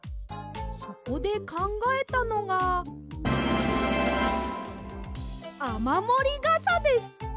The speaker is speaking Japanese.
そこでかんがえたのが「あまもりがさ」です！